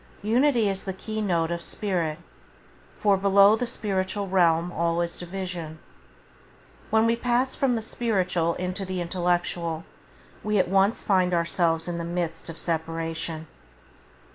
Unity is the key note of spirit, for below the [Page 2] spiritual realm all is division. When we pass from the spiritual into the intellectual we at once find ourselves in the midst of separation.